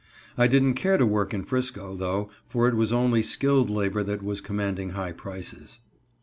I didn't care to work in 'Frisco, though, for it was only skilled labor that was commanding high prices.